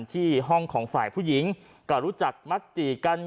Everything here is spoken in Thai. ที่ห้องของฝ่ายผู้หญิงก็รู้จักมักจีกัน